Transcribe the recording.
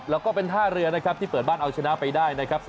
แล้วก็เป็นท่าเรือนะครับที่เปิดบ้านเอาชนะไปได้นะครับ